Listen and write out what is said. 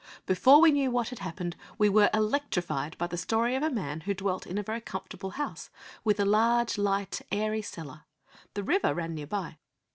Before we knew what had happened, we were electrified by the story of a man who dwelt in a very comfortable house, with a large, light, airy cellar. The river ran near by.